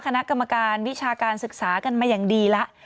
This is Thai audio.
คณะกรรมการวิชาการศึกษากันมาอย่างดีแล้ว